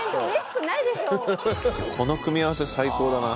この組み合わせ最高だな。